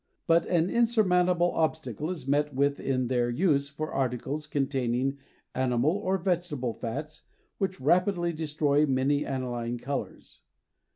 But an insurmountable obstacle is met with in their use for articles containing animal or vegetable fats which rapidly destroy many aniline colors.